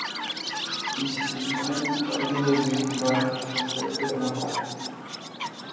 Il s’était, du coup, trouvé mauvais, mal concentré, peu convaincant.